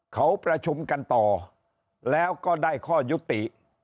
เขาประชุมกันต่อแล้วก็ได้ข้อยุติ